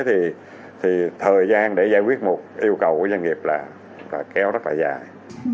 thì thời gian để giải quyết một yêu cầu của doanh nghiệp là kéo rất là dài